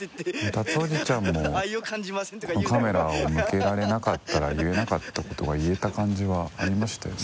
タツおじちゃんもこのカメラを向けられなかったら言えなかったことが言えた感じはありましたよね。